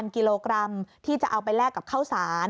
กิโลกรัมที่จะเอาไปแลกกับข้าวสาร